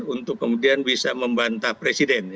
untuk kemudian bisa membantah presiden